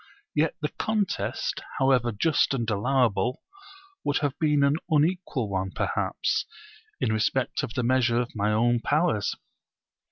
yet the contest, however just and allowable, would have been an unequal one perhaps, in respect of the measure of my own powers.